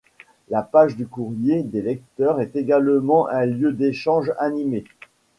La page du courrier des lecteurs est également un lieu d'échanges animés.